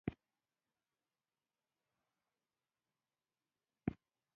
یو کاربار ته مخه کوو